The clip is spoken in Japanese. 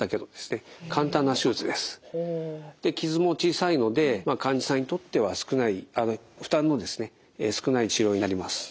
で傷も小さいので患者さんにとっては少ない負担の少ない治療になります。